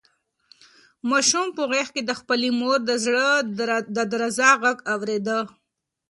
ماشوم په غېږ کې د خپلې مور د زړه د درزا غږ اورېده.